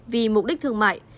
vì mục đích thương mại